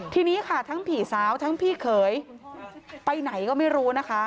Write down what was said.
ทีนี้ค่ะทั้งผีสาวทั้งพี่เขยไปไหนก็ไม่รู้นะคะ